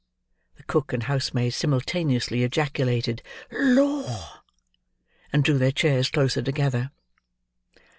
The cook and housemaid simultaneously ejaculated "Lor!" and drew their chairs closer together.